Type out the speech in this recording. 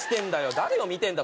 誰を見てんだ！